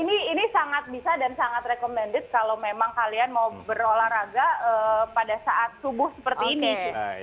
ini sangat bisa dan sangat recommended kalau memang kalian mau berolahraga pada saat subuh seperti ini